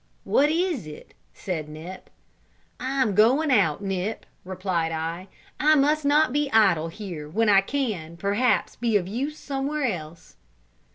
"What is it?" said Nip. "I am going out, Nip," replied I. "I must not be idle here, when I can, perhaps, be of use somewhere else."